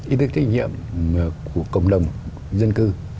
ý thức trách nhiệm của cộng đồng dân cư